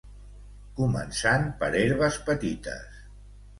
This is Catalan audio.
començant per herbes petites